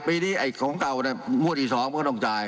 อันที่นี้ของเก่างวดอีก๒มันก็ต้องจ่าย